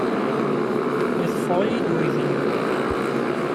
Yeḍfer-iyi-d uydi-nni.